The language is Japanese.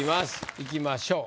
いきましょう。